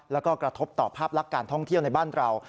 แล้วก็กระทบต่อภาพลักษณ์การท่องเที่ยวในบ้านเรา